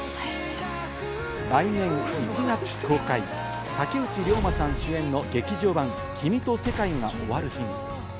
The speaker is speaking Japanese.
来年１月公開、竹内涼真さん主演の劇場版『君と世界が終わる日に』。